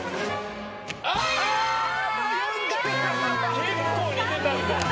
結構似てたんだ。